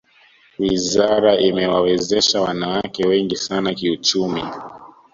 wizara imewawezesha wanawake wengi sana kiuchumi